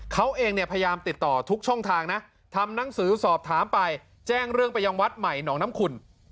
เขาเองเนี่ยพยายามติดต่อทุกช่องทางนะทำหนังสือสอบถามไปแจ้งเรื่องไปยังวัดใหม่หนองน้ำขุ่น